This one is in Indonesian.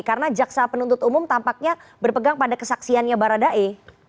karena jaksa penuntut umum tampaknya berpegang pada kesaksiannya baradae